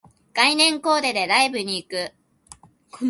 概念コーデでライブに行く